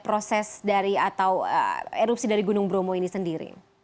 proses dari atau erupsi dari gunung bromo ini sendiri